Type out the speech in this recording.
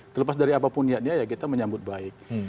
terlepas dari apapun niatnya ya kita menyambut baik